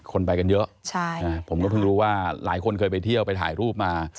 คนไปกันเยอะผมก็เพิ่งรู้ว่าหลายคนเคยไปเที่ยวไปถ่ายรูปมา